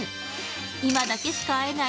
今だけしか会えない